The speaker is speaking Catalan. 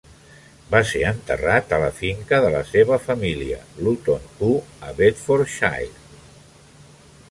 Va ser enterrat a la finca de la seva família, Luton Hoo, a Bedfordshire.